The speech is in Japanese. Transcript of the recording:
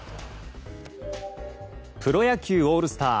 プロ野球オールスター